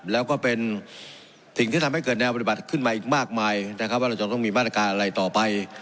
แล้วก็เป็นสิ่งที่ทำให้เกิดแนวปฏิบัติขึ้นมาอีกมากมายนะครับว่าเราจะต้องมีมาตรการอะไรต่อไป